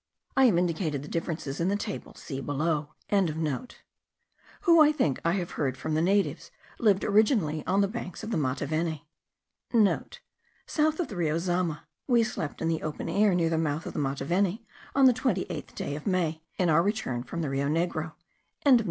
I have indicated the differences in the table, see below.) who, I think I have heard from the natives, lived originally on the banks of the Mataveni.* (* South of the Rio Zama. We slept in the open air near the mouth of the Mataveni on the 28th day of May, in our return from the Rio Negro.)